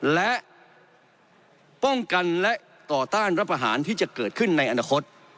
และป้องกันและต่อต้านรับประหารที่จะเกิดขึ้นในอนาคต